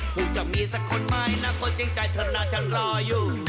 หนึ่งอีกสักคนไหมคนจริงจ่ายเธอนาจฉันรออยู่